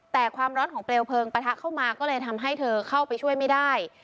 แต่ความร้อนของเปลวเพลิงปะทะเข้ามาก็เลยทำให้เธอเข้าไปช่วยไม่ได้